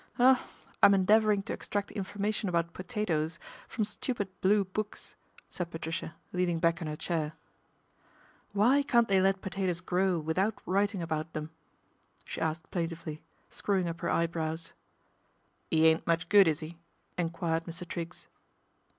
" Oh ! I'm endeavouring to extract information .bout potatoes from stupid Blue Books," said ^atricia, leaning back in her chair. " Why can't hey let potatoes grow without writing about hem ?" she asked plaintively, screwing up her yebrows. 1 'E ain't much good, is 'e ?'* enquired Mr. nggs.